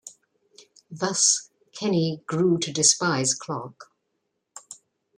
Thus, Kenny grew to despise Clark.